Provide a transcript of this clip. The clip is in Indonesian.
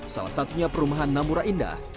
salah satunya perumahan namura indah